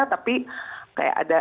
tapi kayak ada